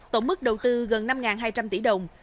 tổng mức đầu tư gần năm hai trăm linh tỷ đồng